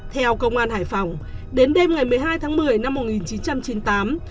theo công an hải phòng đến đêm ngày một mươi hai tháng một mươi năm một nghìn chín trăm chín mươi tám